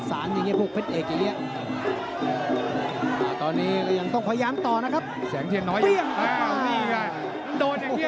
มันเตะเอาเอียงเลยอ่ะดิไหนพี่ปลาก่อมู